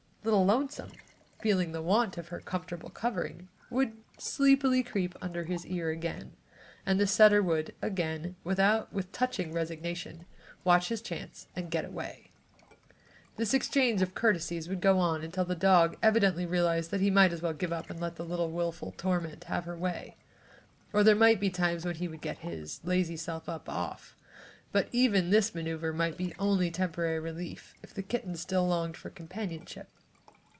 Little Lonesome, feeling the want of her comfortable covering, would sleepily creep under his ear again and the setter would again, with touching resignation, watch his chance and get away. This exchange of courtesies would go on until the dog evidently realized that he might as well give up and let the little wilful torment have her way. Or there might be times when he would get his lazy self up and off, but even this manoeuvre might be only temporary relief, if the kitten still longed for his companionship.